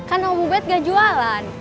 kan omobet gak jualan